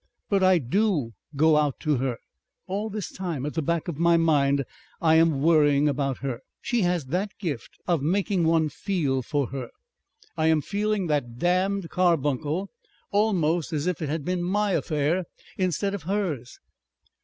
But I DO go out to her. All this time at the back of my mind I am worrying about her. She has that gift of making one feel for her. I am feeling that damned carbuncle almost as if it had been my affair instead of hers.